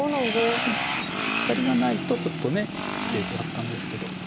アタリがないとちょっとスペースがあったんですけど。